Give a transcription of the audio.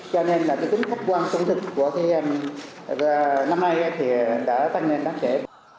cho nên là tính khắc quan sống thực của năm nay thì đã tăng lên rất trễ